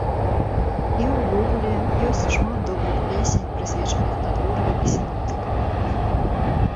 І ўвогуле, ёсць шмат добрых песень, прысвечаных надвор'ю і сіноптыкам.